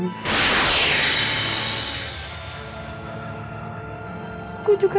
aku juga tetap